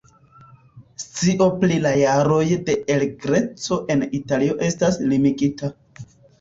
Scio pri la jaroj de El Greco en Italio estas limigita.